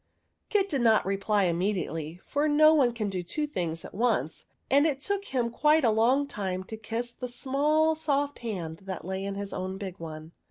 " Kit did not reply immediately, for no one can do two things at once, and it took him quite a long time to kiss the small soft hand that lay in his own big one.